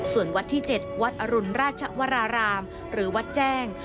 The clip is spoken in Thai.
ส่วนวัดที่๗วัดอรุณราชวรารามหรือวัดแจ้ง